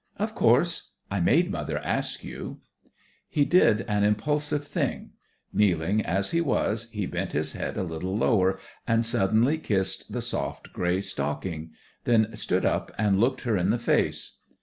"Of course. I made mother ask you." He did an impulsive thing. Kneeling as he was, he bent his head a little lower and suddenly kissed the soft grey stocking then stood up and looked her in the face.